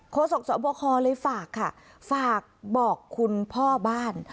โศกสวบคเลยฝากค่ะฝากบอกคุณพ่อบ้าน